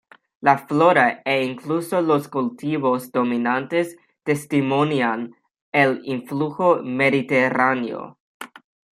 La "flora" e incluso los cultivos dominantes testimonian el influjo mediterráneo.